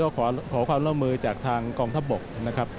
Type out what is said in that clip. ก็ขอความร่วมมือจากทางกองทับบก